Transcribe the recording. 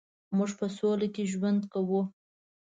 مونږ په سوله کې ژوند کوو